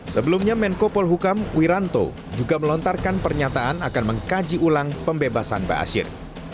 sebelumnya menko polhukam wiranto juga melontarkan pernyataan akan mengkaji ulang pembebasan ba'asyir